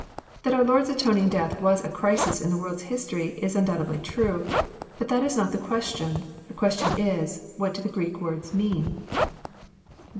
That our Lord*s atoning death was a crisis in the world's history, Is undoubtedly true. But that is not the question. The question Is, what do the Greek words mean?